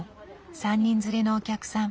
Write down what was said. ３人連れのお客さん。